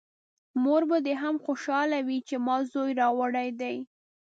مور به دې هم خوشحاله وي چې ما زوی راوړی دی!